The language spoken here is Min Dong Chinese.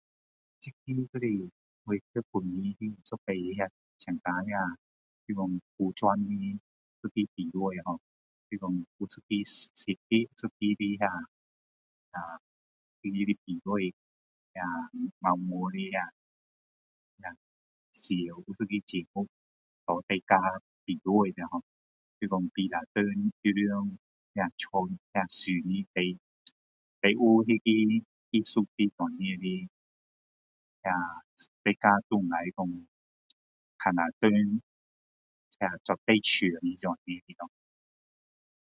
这个就是我在公司有一次那个参加那个就是说服装的一个比赛就是说一个比赛设计的一个那个那个比赛那个晚上的时候有一个节目给大家比赛就是说大家比赛下穿的最有那个艺术的那种那个大家都能够看下谁做最像那样